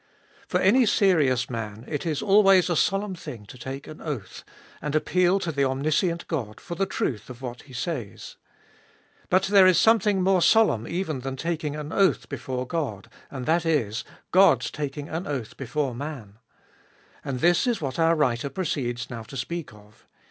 FOR any serious man it is always a solemn thing to take an oath, and appeal to the omniscient God for the truth of what He says. But there is something more solemn even than taking an oath before God, and that is, God's taking an oath before man. And this is what our writer proceeds now to speak of.